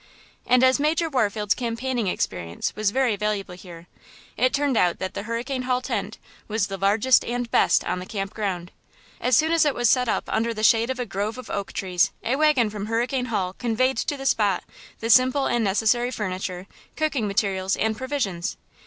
And as Major Warfield's campaigning experience was very valuable here, it turned out that the Hurricane Hall tent was the largest and best on the camp ground. As soon as it was set up under the shade of a grove of oak trees a wagon from Hurricane Hall conveyed to the spot the simple and necessary furniture, cooking materials and provisions.